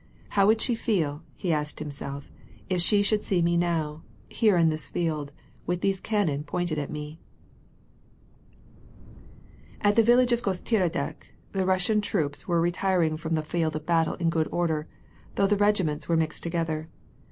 " How would she feel " he asked himself, " if she should see me now, here in this field, with those cannon pointed at me ?" At the village of Gostieradeck the Russian troops were re tiring from the field of battle in good order, though the regi ments were mixed together.